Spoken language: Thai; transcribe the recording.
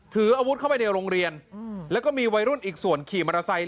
ถืออาวุธเข้าไปในโรงเรียนแล้วก็มีวัยรุ่นอีกส่วนขี่มอเตอร์ไซค์